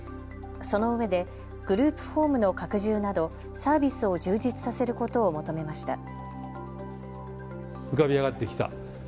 そのうえでグループホームの拡充などサービスを充実させることを求めました。